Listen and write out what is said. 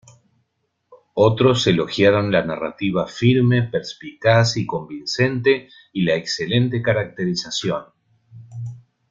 Otros elogiaron la narrativa firme, perspicaz y convincente y la excelente caracterización.